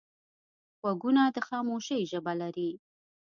غوږونه د خاموشۍ ژبه لري